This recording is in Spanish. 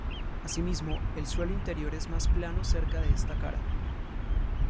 Asimismo, el suelo interior es más plano cerca de esta cara.